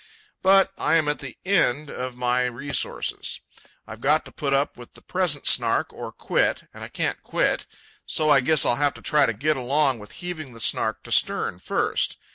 But I am at the end of my resources. I've got to put up with the present Snark or quit—and I can't quit. So I guess I'll have to try to get along with heaving the Snark to stern first.